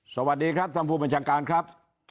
สวัสดีครับท่านผู้บัญชาการครับ